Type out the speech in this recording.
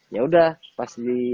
ya sudah pas di